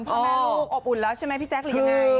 พ่อแม่ลูกอบอุ่นแล้วใช่ไหมพี่แจ๊คหรือยังไง